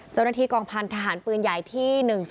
เจ้าหน้าที่กองพันธหารปืนใหญ่ที่๑๒